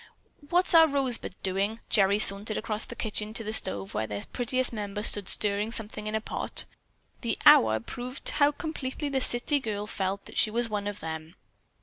"What's our Rosebud doing?" Gerry sauntered across the kitchen to the stove where their prettiest member stood stirring something in a pot. The "our" proved how completely the city girl felt that she was one of them.